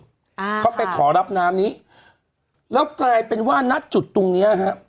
อ่าเขาไปขอรับน้ำนี้แล้วกลายเป็นว่าณจุดตรงเนี้ยฮะ